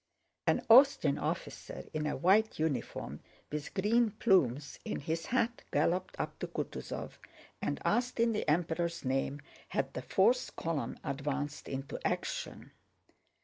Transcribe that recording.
An Austrian officer in a white uniform with green plumes in his hat galloped up to Kutúzov and asked in the Emperor's name had the fourth column advanced into action.